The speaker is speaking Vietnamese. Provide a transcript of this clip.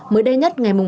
mới đây nhất ngày mùng